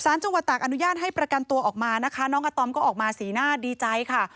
จังหวัดตากอนุญาตให้ประกันตัวออกมานะคะน้องอาตอมก็ออกมาสีหน้าดีใจค่ะ